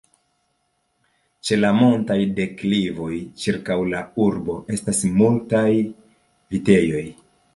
Ĉe la montaj deklivoj ĉirkaŭ la urbo estas multaj vitejoj.